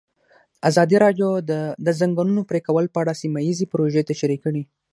ازادي راډیو د د ځنګلونو پرېکول په اړه سیمه ییزې پروژې تشریح کړې.